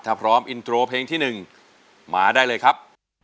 ถ้าพร้อมอินโทรเพลงที่๑มาได้เลยครับ